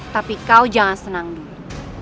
tapi kau jangan senang dulu